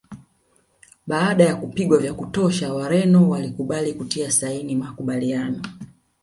Baada ya kupigwa vya kutosha Wareno walikubali kutia saini makubaliano